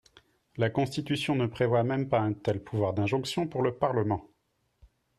La Constitution ne prévoit même pas un tel pouvoir d’injonction pour le Parlement.